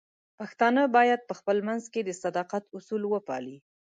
پښتانه بايد په خپل منځ کې د صداقت اصول وپالي.